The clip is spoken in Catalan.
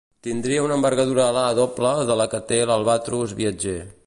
Tindria una envergadura alar doble de la que té l'albatros viatger.